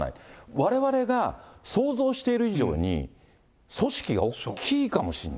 われわれが想像している以上に組織が大きいかもしれない。